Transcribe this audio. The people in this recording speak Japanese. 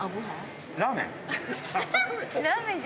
ラーメン？